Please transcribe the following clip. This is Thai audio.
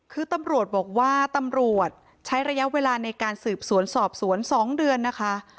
คือตำรวจบอกว่าตำรวจใช้ระยะเวลาในการสืบสวนสอบสวน๒เดือนนะคะ